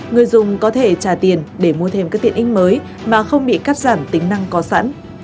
người dùng có thể trả tiền để mua thêm các tiện ích mới mà không bị cắt giảm tính năng có sẵn